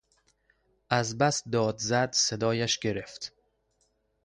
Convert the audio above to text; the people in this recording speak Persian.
از بس داد زد صدایش گرفت.